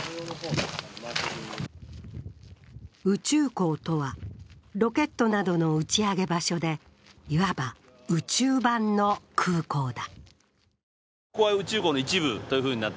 宇宙港とは、ロケットなどの打ち上げ場所でいわば宇宙版の空港だ。